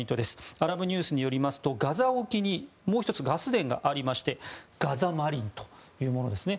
アラブニュースによりますとガザ沖にもう１つ、ガス田がありましてガザ・マリンというものですね